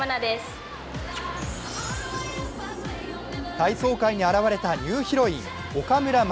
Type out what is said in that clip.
体操界に現れたニューヒロイン・岡村真。